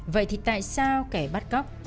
vậy thì tại sao kẻ bắt góc